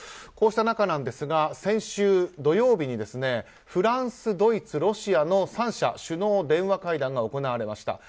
こうした中、先週土曜日にフランス、ドイツ、ロシアの３者首脳電話会談が行われました。